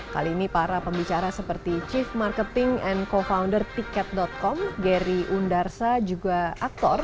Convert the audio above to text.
kali ini para pembicara seperti chief marketing and co founder tiket com gary undarsa juga aktor